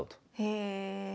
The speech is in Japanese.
へえ。